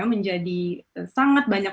menjadi sangat banyak